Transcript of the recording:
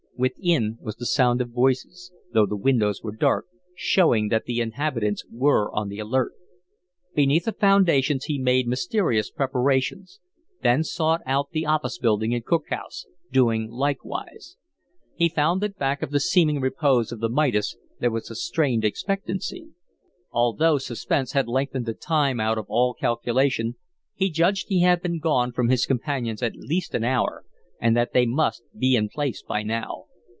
Within was the sound of voices, though the windows were dark, showing that the inhabitants were on the alert. Beneath the foundations he made mysterious preparations, then sought out the office building and cook house, doing likewise. He found that back of the seeming repose of the Midas there was a strained expectancy. Although suspense had lengthened the time out of all calculation, he judged he had been gone from his companions at least an hour and that they must be in place by now.